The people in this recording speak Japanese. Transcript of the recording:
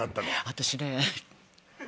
私ね。